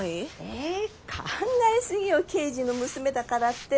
え考え過ぎよ刑事の娘だからって。